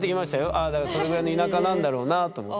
ああそのぐらいの田舎なんだろうなって思って。